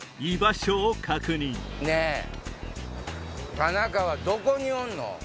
田中はどこにおんの？